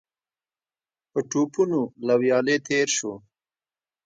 په ټوپونو له ويالې تېر شو.